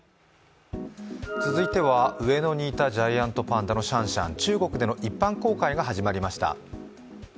続いては上野にいたジャイアントパンダのシャンシャン、中国での一般公開が始まりました。